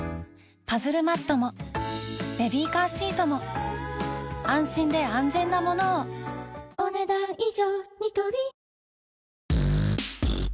パズルマットもベビーカーシートも安心で安全なものをお、ねだん以上。